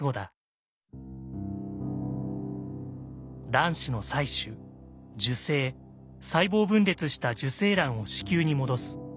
卵子の採取受精細胞分裂した受精卵を子宮に戻す。